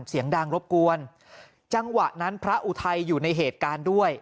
เสียงดังรบกวนจังหวะนั้นพระอุทัยอยู่ในเหตุการณ์ด้วย